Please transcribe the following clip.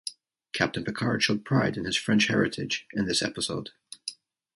Captain Picard showed pride in his French heritage in this episode.